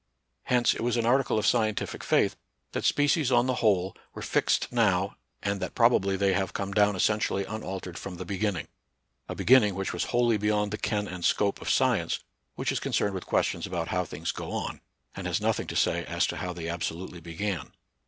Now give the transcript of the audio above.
Hence it was an article of scien tific faith that species on the whole were fixed now, and that probably they have come down essentially unaltered from the beginning, — a be ginning which was wholly beyond the ken and scope of science, which is concerned with ques tions about how things go on, and has nothing to say as to how they absolutely began.